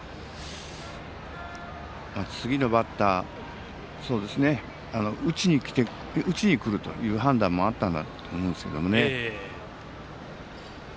次のバッター打ちに来るという判断もあったんだと思います。